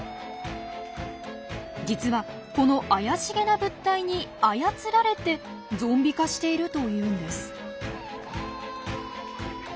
実はこの怪しげな物体に操られてゾンビ化しているというんです。